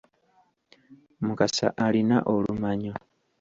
Mukasa alina olumanyo.